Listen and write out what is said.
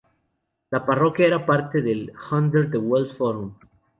La parroquia era parte del hundred de Wells Forum.